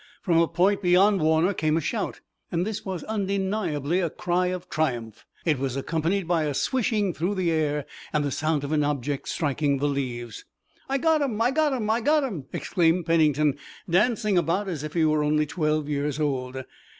From a point beyond Warner came a shout, and this was undeniably a cry of triumph. It was accompanied by a swishing through the air and the sound of an object striking the leaves. "I got him! I got him! I got him!" exclaimed Pennington, dancing about as if he were only twelve years old.